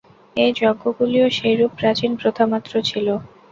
এই যজ্ঞগুলিও সেইরূপ প্রাচীন প্রথামাত্র ছিল।